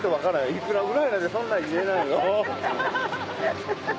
幾らぐらいなんてそんなん言えないよ。